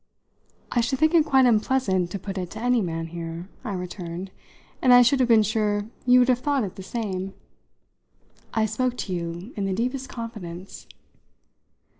"I should think it quite unpleasant to put it to any man here," I returned; "and I should have been sure you would have thought it the same. I spoke to you in the deepest confidence."